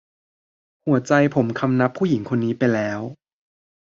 หัวใจผมคำนับผู้หญิงคนนี้ไปแล้ว